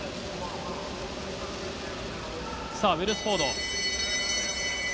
さあ、ウェルスフォード。